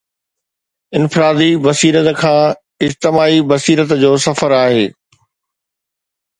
انفرادي بصيرت کان اجتماعي بصيرت جو سفر آهي.